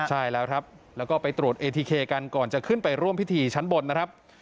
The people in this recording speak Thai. ใช่แล้วครับแล้วก็ไปตรวจเอทีเคกันก่อนจะขึ้นไปร่วมพิธีชั้นบนนะครับ